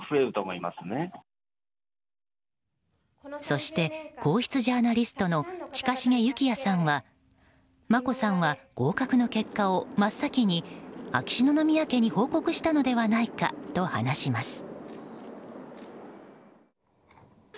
そして皇室ジャーナリストの近重幸哉さんは眞子さんは合格の結果を真っ先に秋篠宮家に報告したのではないかと話します。